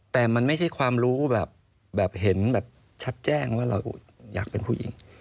แต่มันไม่ใช่ความรู้แบบเห็นแบบชัดแจ้งว่าเราอยากเป็นผู้หญิง